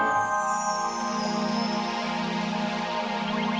eh siapa lu